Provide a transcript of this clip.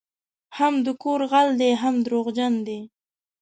هم د کور غل دی هم دروغجن دی